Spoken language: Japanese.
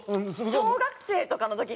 小学生とかの時。